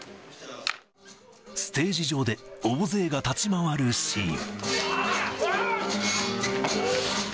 ステージ上で大勢が立ち回るシーン。